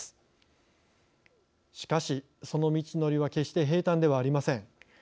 しかしその道のりは決して平たんではありません。